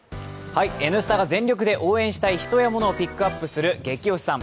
「Ｎスタ」が全力で応援したい人やモノをピックアップする「ゲキ推しさん」